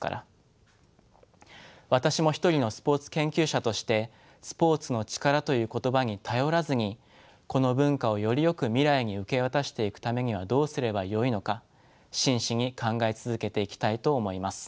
私も一人のスポーツ研究者として「スポーツの力」という言葉に頼らずにこの文化をよりよく未来に受け渡していくためにはどうすればよいのか真摯に考え続けていきたいと思います。